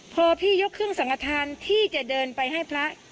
พอพี่ยกครึ่งสังกฐานที่จะเดินไปให้พระ